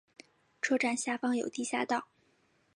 车站下方有地下道。